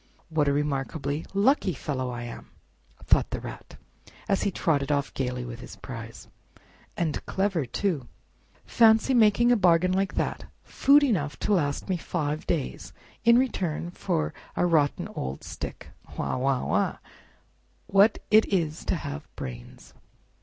"What a remarkably lucky fellow I am!" thought the Rat, as he trotted off gayly with his prize, "and clever, too! Fancy making a bargain like that—food enough to last me five days in return for a rotten old stick! Wah! Wah! Wah! What it is to have brains!"